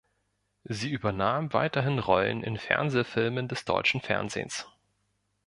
Sie übernahm weiterhin Rollen in Fernsehfilmen des deutschen Fernsehens.